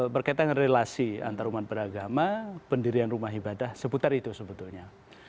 berkaitan dengan relasi antarumat beragama pendirian rumah ibadah seputar itu sebetulnya